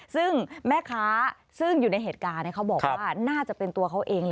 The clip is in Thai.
ซึ่งแม่ค้าซึ่งอยู่ในเหตุการณ์เขาบอกว่าน่าจะเป็นตัวเขาเองแหละ